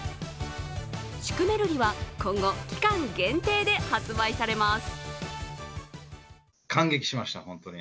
シュクメルリは今後、期間限定で発売されます。